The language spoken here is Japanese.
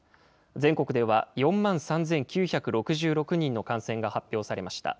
全国では４万３９６６人の感染が発表されました。